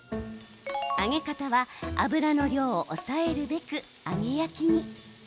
揚げ方は油の量を抑えるべく揚げ焼きに。